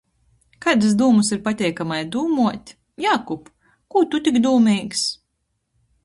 Kaidys dūmys ir pateikamai dūmuot? Jākub, kū tu tik dūmeigs?